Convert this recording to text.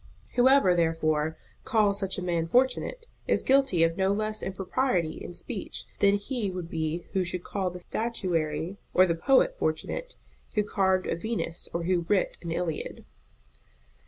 Whoever, therefore, calls such a man fortunate, is guilty of no less impropriety in speech than he would be who should call the statuary or the poet fortunate who carved a Venus or who writ an Iliad.